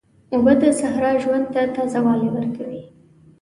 اوبه د صحرا ژوند ته تازه والی ورکوي.